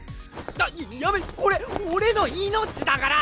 だっやめこれ俺の命だから！